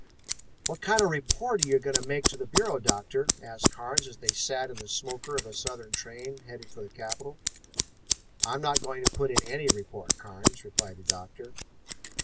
"What kind of a report are you going to make to the Bureau, Doctor?" asked Carnes as they sat in the smoker of a southern train, headed for the capital. "I'm not going to put in any report, Carnes," replied the doctor.